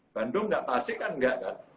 bandung enggak pasir kan enggak kan